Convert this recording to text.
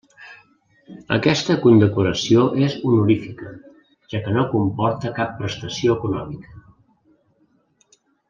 Aquesta condecoració és honorífica, ja que no comporta cap prestació econòmica.